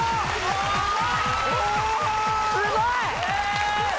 すごい！